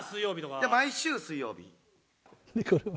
いや毎週水曜日。